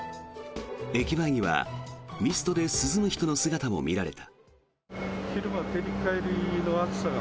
駅前にはミストで涼む人の姿も見られた。